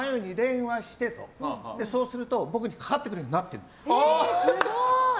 そうすると僕にかかってくるようになってるんです。